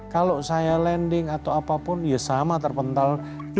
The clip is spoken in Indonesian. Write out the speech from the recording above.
kalau saya landing atau apapun ya sama terpental